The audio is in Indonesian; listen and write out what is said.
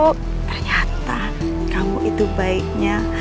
ternyata kamu itu baiknya